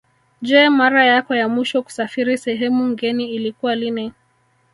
Je mara yako ya mwisho kusafiri sehemu ngeni ilikuwa lini